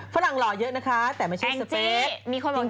ฝรั่งหล่อเยอะนะคะแต่ไม่ใช่สเปค